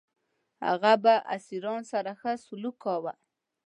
هغه به اسیرانو سره ښه سلوک کاوه.